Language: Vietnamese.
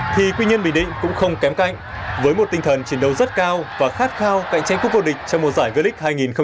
thì quy nhơn bình định cũng không kém cạnh với một tinh thần trình đấu rất cao và khát khao cạnh tranh quốc vô địch trong mùa giải v lic hai nghìn hai mươi ba hai nghìn hai mươi bốn